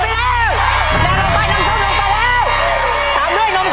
ลูกชิ้นเฉากับล้วย